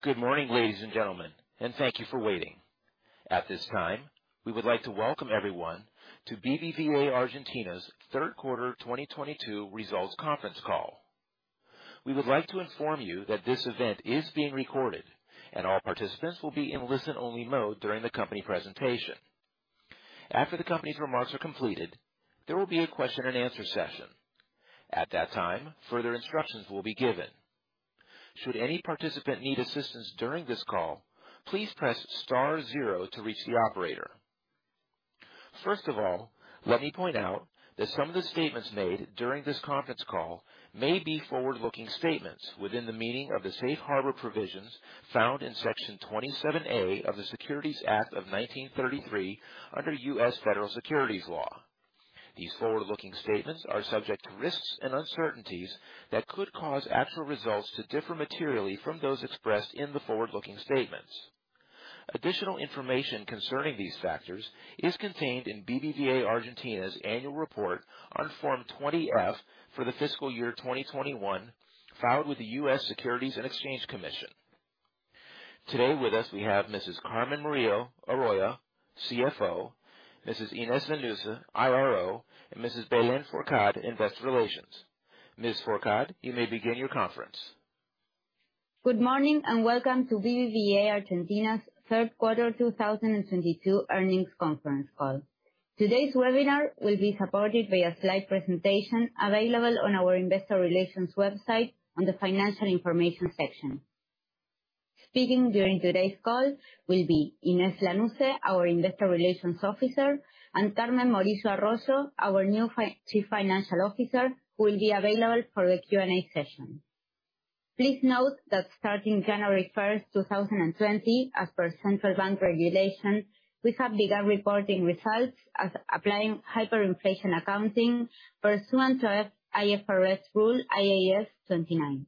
Good morning, ladies and gentlemen, and thank you for waiting. At this time, we would like to welcome everyone to BBVA Argentina's Q3 2022 results conference call. We would like to inform you that this event is being recorded and all participants will be in listen-only mode during the company presentation. After the company's remarks are completed, there will be a question and answer session. At that time, further instructions will be given. Should any participant need assistance during this call, please press star 0 to reach the operator. First of all, let me point out that some of the statements made during this conference call may be forward-looking statements within the meaning of the safe harbor provisions found in Section 27A of the Securities Act of 1933 under U.S. Federal Securities Laws. These forward-looking statements are subject to risks and uncertainties that could cause actual results to differ materially from those expressed in the forward-looking statements. Additional information concerning these factors is contained in BBVA Argentina's annual report on Form 20-F for the fiscal year 2021, filed with the U.S. Securities and Exchange Commission. Today with us we have Mrs. Carmen Morillo Arroyo, CFO, Mrs. Inés Lanusse, IRO, and Mrs. Belén Fourcade, Investor Relations. Ms. Fourcade, you may begin your conference. Good morning and welcome to BBVA Argentina's Q3 2022 earnings conference call. Today's webinar will be supported by a slide presentation available on our investor relations website on the financial information section. Speaking during today's call will be Inés Lanusse, our Investor Relations Officer, and Carmen Morillo Arroyo, our new Chief Financial Officer, who will be available for the Q&A session. Please note that starting January 1, 2020, as per central bank regulation, we have begun reporting results as applying hyperinflation accounting pursuant to IFRS rule IAS 29.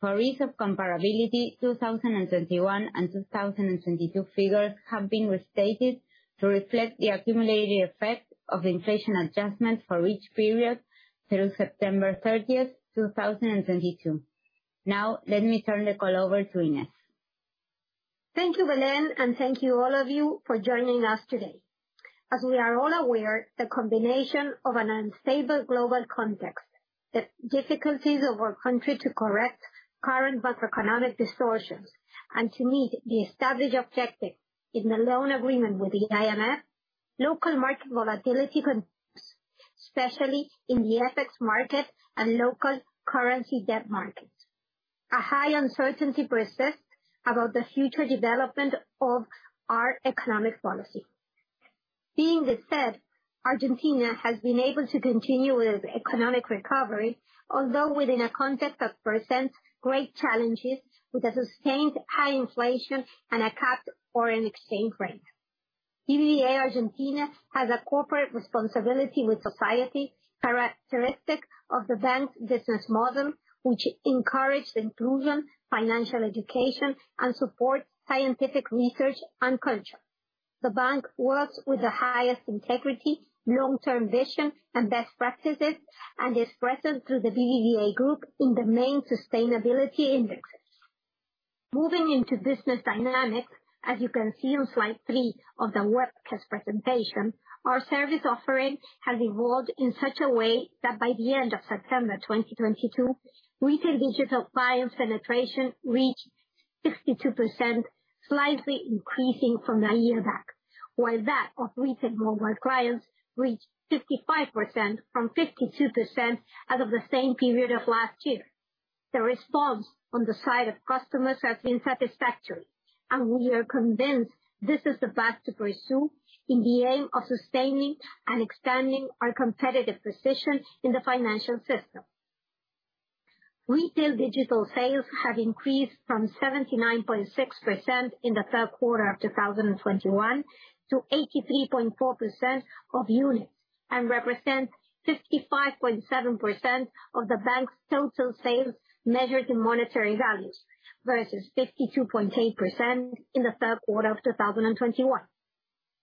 For ease of comparability, 2021 and 2022 figures have been restated to reflect the accumulated effect of inflation adjustments for each period through September 30, 2022. Let me turn the call over to Inés. Thank you, Belén, and thank you all of you for joining us today. As we are all aware, the combination of an unstable global context, the difficulties of our country to correct current macroeconomic distortions and to meet the established objectives in the loan agreement with the IMF, local market volatility continues, especially in the FX market and local currency debt market. A high uncertainty persists about the future development of our economic policy. Being this said, Argentina has been able to continue with economic recovery, although within a context that presents great challenges with a sustained high inflation and a capped foreign exchange rate. BBVA Argentina has a corporate responsibility with society, characteristic of the bank's business model, which encourage inclusion, financial education, and support scientific research and culture. The bank works with the highest integrity, long-term vision, and best practices, is present through the BBVA Group in the main sustainability indexes. Moving into business dynamics, as you can see on slide 3 of the webcast presentation, our service offering has evolved in such a way that by the end of September 2022, retail digital client penetration reached 62%, slightly increasing from a year back. While that of retail mobile clients reached 55% from 52% as of the same period of last year. The response on the side of customers has been satisfactory, we are convinced this is the path to pursue in the aim of sustaining and expanding our competitive position in the financial system. Retail digital sales have increased from 79.6% in the Q3of 2021 to 83.4% of units and represent 55.7% of the bank's total sales measured in monetary values, versus 52.8% in the Q3 of 2021.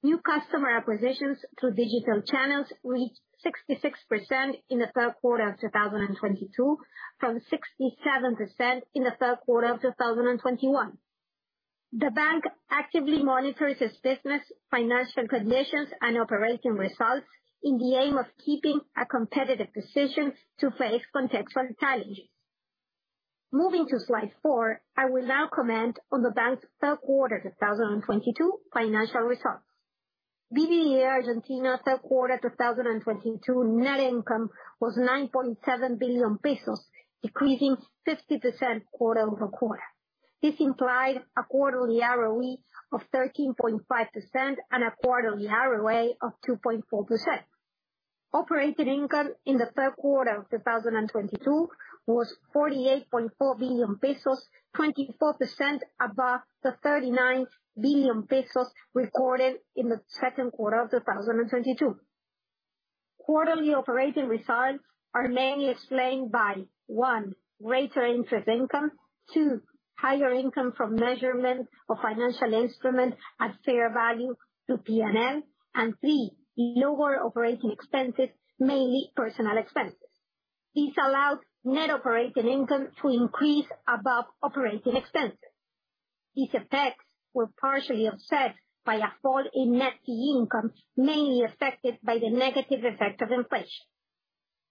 New customer acquisitions through digital channels reached 66% in the Q3 of 2022, from 67% in the Q3of 2021. The bank actively monitors its business, financial conditions, and operating results in the aim of keeping a competitive position to face contextual challenges. Moving to slide 4, I will now comment on the bank's Q3 2022 financial results. BBVA Argentina Q3 2022 net income was 9.7 billion pesos, decreasing 50% quarter-over-quarter. This implies a quarterly ROE of 13.5% and a quarterly ROA of 2.4%. Operating income in the Q3of 2022 was 48.4 billion pesos, 24% above the 39 billion pesos recorded in the Q2 of 2022. Quarterly operating results are mainly explained by, 1, greater interest income. 2, higher income from measurement of financial instruments at fair value to P&L. 3, lower operating expenses, mainly personal expenses. This allowed net operating income to increase above operating expenses. These effects were partially offset by a fall in net income, mainly affected by the negative effect of inflation.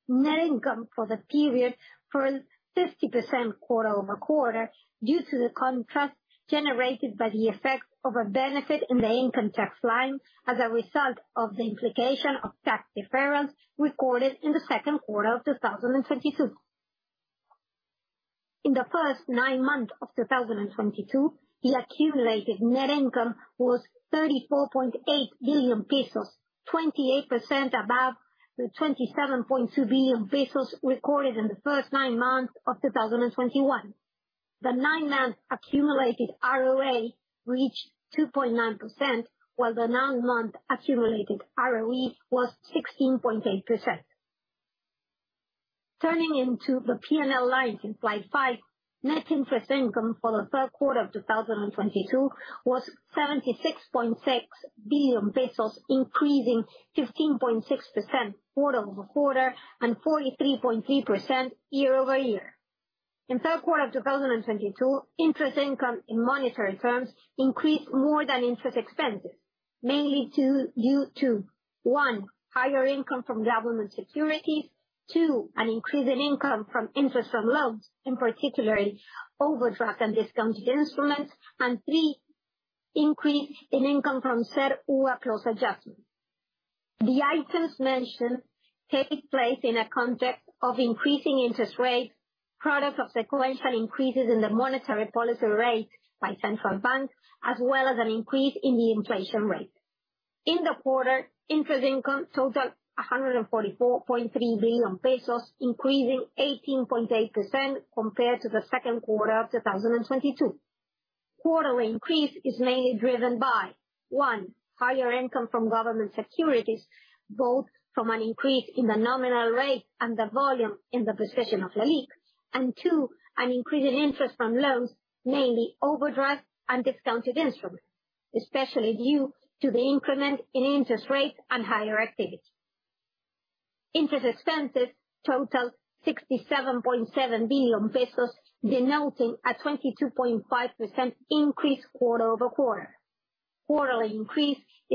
Net income for the period fell 50% quarter-over-quarter due to the contrast generated by the effects of a benefit in the income tax line as a result of the implication of tax deferrals recorded in the Q2 of 2022. In the first nine months of 2022, the accumulated net income was 34.8 billion pesos, 28% above the 27.2 billion pesos recorded in the first nine months of 2021. The nine-month accumulated ROA reached 2.9%, while the nine-month accumulated ROE was 16.8%. Turning into the P&L lines in slide 5, net interest income for the of 2022 was ARS 76.6 billion, increasing 15.6% quarter-over-quarter and 43.3% year-over-year. In Q3 of 2022, interest income in monetary terms increased more than interest expenses, mainly due to, 1, higher income from government securities, 2, an increase in income from interest on loans, in particular, overdraft and discounted instruments, and 3, increase in income from CER/UVA close adjustments. The items mentioned take place in a context of increasing interest rates, product of sequential increases in the monetary policy rate by central banks, as well as an increase in the inflation rate. In the quarter, interest income totaled 144.3 billion pesos, increasing 18.8% compared to the Q2 of 2022. Quarterly increase is mainly driven by, 1, higher income from government securities, both from an increase in the nominal rate and the volume in the possession of Leliq, and 2, an increase in interest from loans, mainly overdraft and discounted instruments, especially due to the increment in interest rates and higher activity. Interest expenses totaled 67.7 billion pesos, denoting a 22.5% increase quarter-over-quarter. Quarterly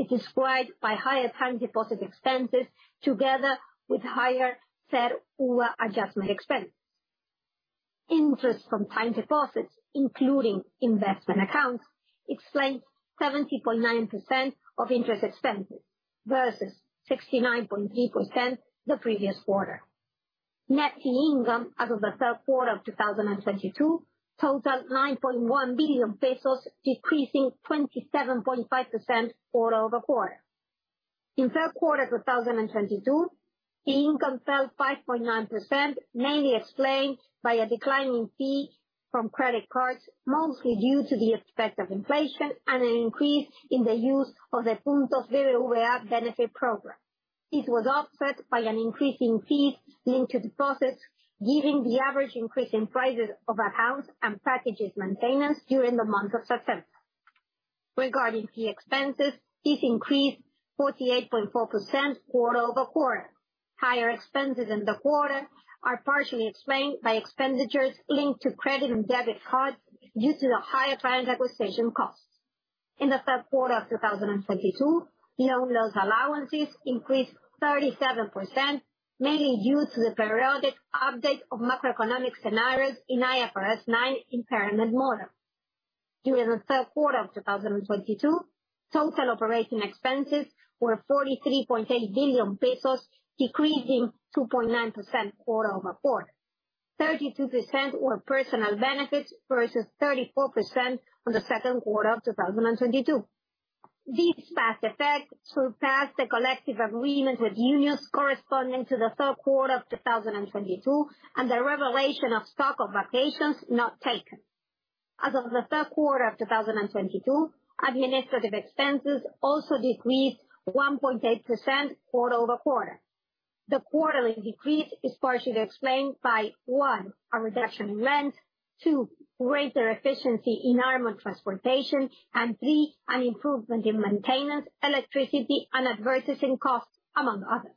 increase is described by higher time deposit expenses together with higher CER/UVA adjustment expense. Interest from time deposits, including investment accounts, explains 70.9% of interest expenses versus 69.3% the previous quarter. Net fee income as of the Q3 of 2022 totaled 9.1 billion pesos, decreasing 27.5% quarter-over-quarter. In Q3 2022, fee income fell 5.9%, mainly explained by a decline in fees from credit cards, mostly due to the effect of inflation and an increase in the use of the Puntos BBVA benefit program. This was offset by an increase in fees linked to deposits, given the average increase in prices of accounts and packages maintenance during the month of September. Regarding fee expenses, this increased 48.4% quarter-over-quarter. Higher expenses in the quarter are partially explained by expenditures linked to credit and debit cards due to the higher client acquisition costs. In the Q3 of 2022, loan loss allowances increased 37%, mainly due to the periodic update of macroeconomic scenarios in IFRS 9 impairment model. During the Q3 of 2022, total operating expenses were 43.8 billion pesos, decreasing 2.9% quarter-over-quarter. 32% were personal benefits versus 34% on the Q2 of 2022. These past effects surpassed the collective agreement with unions corresponding to the Q3 of 2022 and the revelation of stock of vacations not taken. As of the Q3 of 2022, administrative expenses also decreased 1.8% quarter-over-quarter. The quarterly decrease is partially explained by, 1, a reduction in rent, 2, greater efficiency in armored transportation, and 3, an improvement in maintenance, electricity, and advertising costs, among others.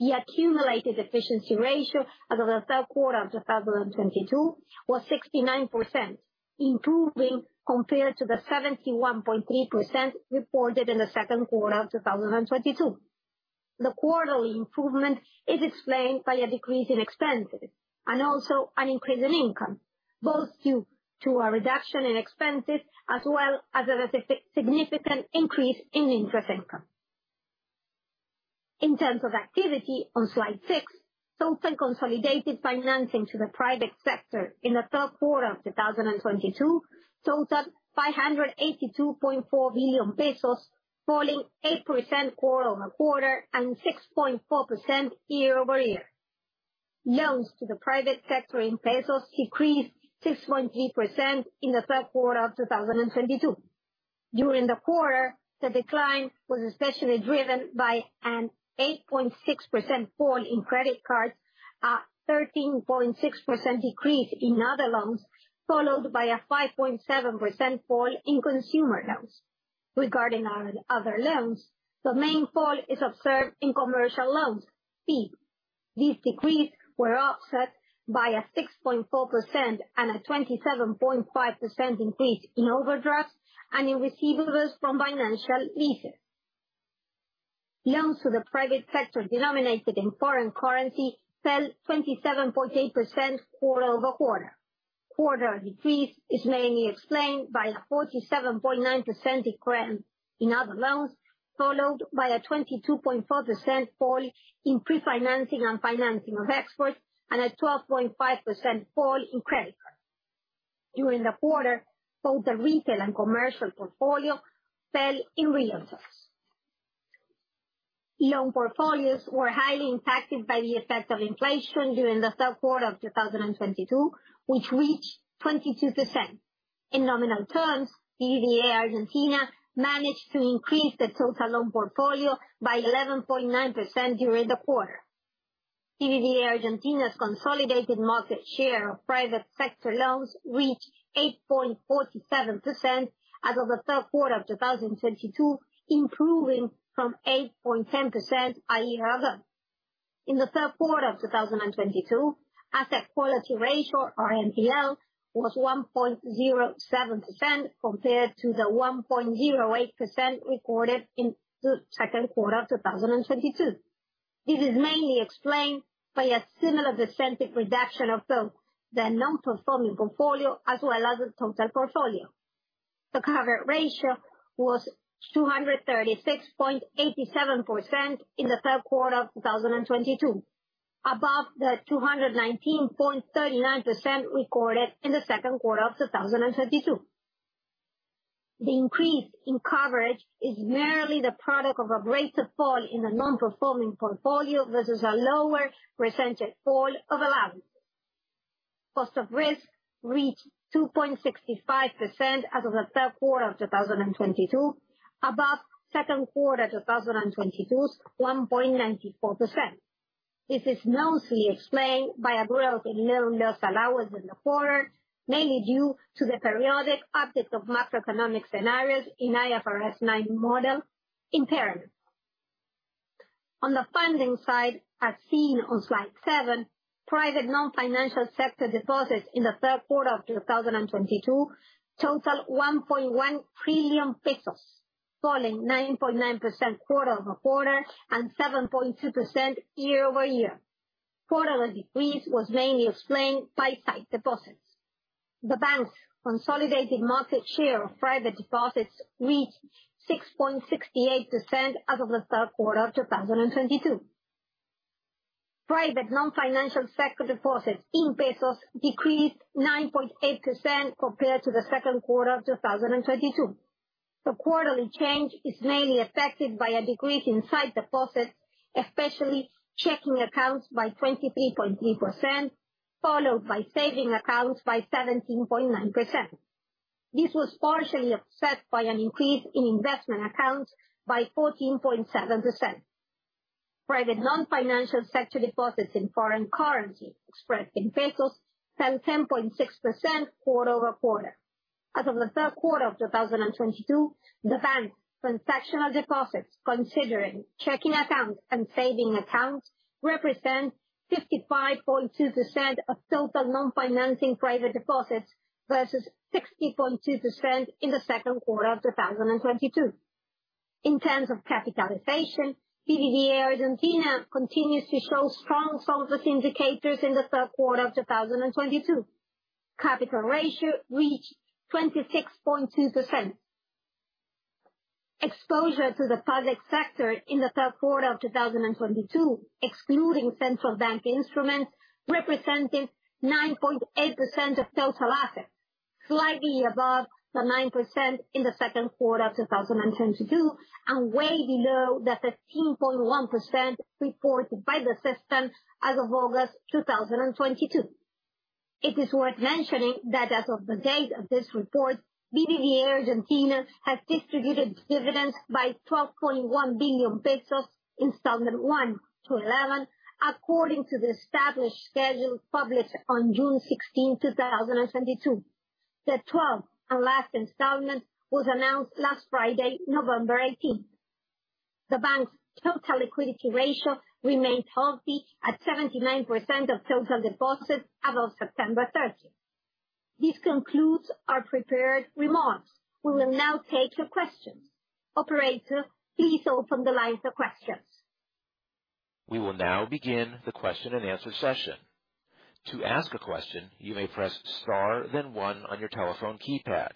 The accumulated efficiency ratio as of the Q3 of 2022 was 69%, improving compared to the 71.3% reported in the Q2 of 2022. The quarterly improvement is explained by a decrease in expenses and also an increase in income, both due to a reduction in expenses as well as a significant increase in interest income. In terms of activity, on slide 6, total consolidated financing to the private sector in the Q3of 2022 totaled 582.4 billion pesos, falling 8% quarter-over-quarter and 6.4% year-over-year. Loans to the private sector in pesos decreased 6.3% in the Q3 of 2022. During the quarter, the decline was especially driven by an 8.6% fall in credit cards, a 13.6% decrease in other loans, followed by a 5.7% fall in consumer loans. Regarding our other loans, the main fall is observed in commercial loans fee. These decrees were offset by a 6.4% and a 27.5% increase in overdrafts and in receivables from financial leases. Loans to the private sector denominated in foreign currency fell 27.8% quarter-over-quarter. Quarterly fees is mainly explained by a 47.9% decrease in other loans, followed by a 22.4% fall in pre-financing and financing of exports and a 12.5% fall in credit card. During the quarter, both the retail and commercial portfolio fell in pesos. Loan portfolios were highly impacted by the effect of inflation during the Q3 of 2022, which reached 22%. In nominal terms, BBVA Argentina managed to increase the total loan portfolio by 11.9% during the quarter. BBVA Argentina's consolidated market share of private sector loans reached 8.47% as of the Q3 of 2022, improving from 8.10% a year ago. In the Q3 of 2022, asset quality ratio, NPL, was 1.07% compared to the 1.08% recorded in the Q2 of 2022. This is mainly explained by a similar percentage reduction of the non-performing portfolio as well as the total portfolio. The covered ratio was 236.87% in the Q3 of 2022, above the 219.39% recorded in the Q2of 2022. The increase in coverage is merely the product of a greater fall in the non-performing portfolio versus a lower percentage fall of allowances. Cost of risk reached 2.65% as of the Q3of 2022, above Q2 2022's 1.94%. This is mostly explained by a growth in loan loss allowance in the quarter, mainly due to the periodic update of macroeconomic scenarios in IFRS 9 model impairment. On the funding side, as seen on slide 7, private non-financial sector deposits in the Q3 of 2022 total 1.1 trillion pesos, falling 9.9% quarter-over-quarter and 7.2% year-over-year. Quarterly decrease was mainly explained by site deposits. The bank's consolidated market share of private deposits reached 6.68% as of the Q3 of 2022. Private non-financial sector deposits in pesos decreased 9.8% compared to the Q2 of 2022. The quarterly change is mainly affected by a decrease in site deposits, especially checking accounts by 23.3%, followed by saving accounts by 17.9%. This was partially offset by an increase in investment accounts by 14.7%. Private non-financial sector deposits in foreign currency expressed in pesos fell 10.6% quarter-over-quarter. As of the Q2 of 2022, the bank's transactional deposits, considering checking accounts and saving accounts, represent 55.2% of total non-financing private deposits versus 60.2% in the Q2 of 2022. In terms of capitalization, BBVA Argentina continues to show strong solvency indicators in the Q3of 2022. Capital ratio reached 26.2%. Exposure to the public sector in the Q3 of 2022, excluding central bank instruments, represented 9.8% of total assets, slightly above the 9% in the Q2 of 2022 and way below the 13.1% reported by the system as of August 2022. It is worth mentioning that as of the date of this report, BBVA Argentina has distributed dividends by 12.1 billion pesos in installment 1 to 11 according to the established schedule published on June 16, 2022. The twelfth and last installment was announced last Friday, November 18. The bank's total liquidity ratio remained healthy at 79% of total deposits as of September 13. This concludes our prepared remarks. We will now take the questions. Operator, please open the line for questions. We will now begin the question and answer session. To ask a question, you may press star then one on your telephone keypad.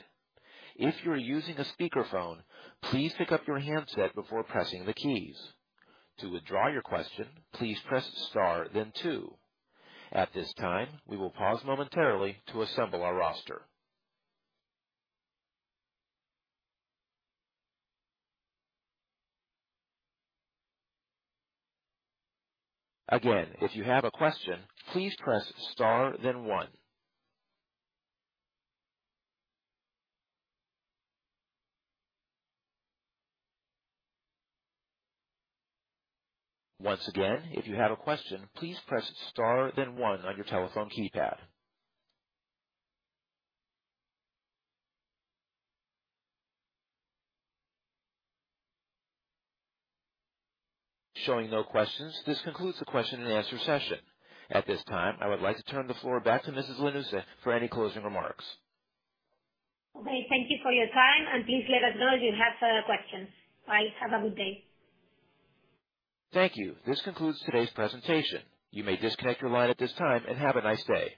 If you are using a speakerphone, please pick up your handset before pressing the keys. To withdraw your question, please press star then two. At this time, we will pause momentarily to assemble our roster. Again, if you have a question, please press star then one. Once again, if you have a question, please press star then one on your telephone keypad. Showing no questions, this concludes the question and answer session. At this time, I would like to turn the floor back to Mrs. Lanusse for any closing remarks. Okay, thank you for your time. Please let us know if you have questions. Bye. Have a good day. Thank you. This concludes today's presentation. You may disconnect your line at this time and have a nice day.